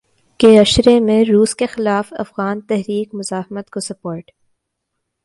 کے عشرے میں روس کے خلاف افغان تحریک مزاحمت کو سپورٹ